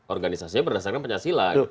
organisasinya berdasarkan pancasila